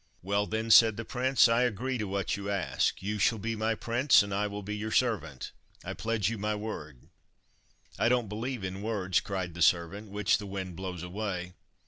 "Well then," said the prince, "I agree to what you ask. You shall be my prince and I will be your servant. I pledge you my word." "I don't believe in words," cried the servant, "which the wind blows away.